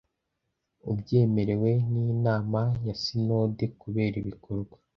ubyemerewe n inama ya sinode kubera ibikorwa